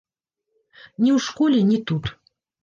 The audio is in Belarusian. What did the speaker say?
Ні ў школе, ні тут.